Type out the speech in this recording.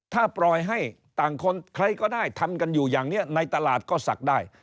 ถ้าปล่อยให้ต่างคนใครก็ได้ทำกันอยู่อย่างนี้ในตลาดก็ศักดิ์ได้